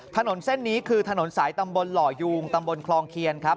ถนนเส้นนี้คือถนนสายตำบลหล่อยูงตำบลคลองเคียนครับ